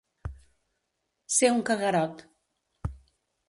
Ser un caguerot.